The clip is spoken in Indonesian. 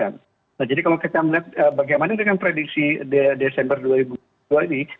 nah jadi kalau kita melihat bagaimana dengan prediksi desember dua ribu dua puluh dua ini